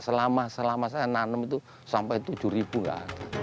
selama saya nanam itu sampai tujuh ribu nggak ada